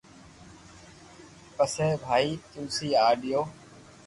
پسي ڀائ تلسي آئيو